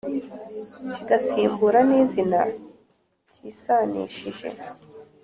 kigasimbura ni zina kisanishije